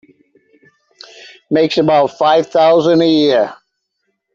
Makes about five thousand a year.